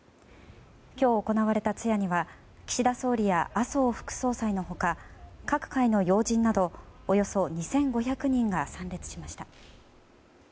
今日、行われた通夜には岸田総理や麻生副総裁の他各界の要人などおよそ２５００人が参列しました。